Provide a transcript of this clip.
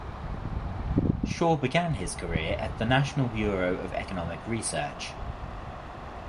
Shaw began his career at the National Bureau of Economic Research.